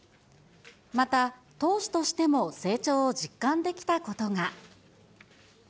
また、投手としても成長を実感できたことが。